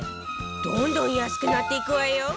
どんどん安くなっていくわよ